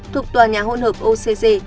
thuộc tòa nhà hôn hợp ocg